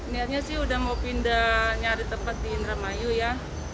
niatnya sih udah mau pindah nyari tempat di indramayu ya